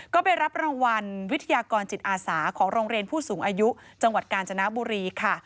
ก็ไปรับรางวัลวิทยากรจิตอาสาของโรงเรียนผู้สูงอายุจังหวัดกาญจนบุรีค่ะ